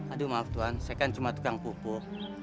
aduh maaf tuhan saya kan cuma tukang pupuk